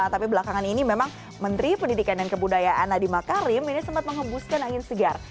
tapi belakangan ini memang menteri pendidikan dan kebudayaan nadiem makarim ini sempat mengembuskan angin segar